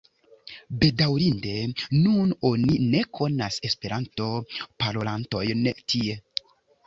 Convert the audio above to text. Bedaŭrinde nun oni ne konas Esperanto-parolantojn tie.